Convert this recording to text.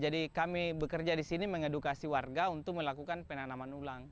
jadi kami bekerja di sini mengedukasi warga untuk melakukan penanaman ulang